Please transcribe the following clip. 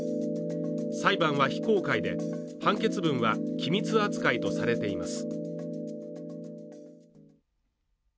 裁判は非公開で、判決文は機密扱いとされています。